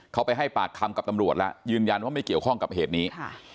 เขาไปให้ปากคำกับตำรวจแล้วยืนยันว่าไม่เกี่ยวข้องกับเหตุนี้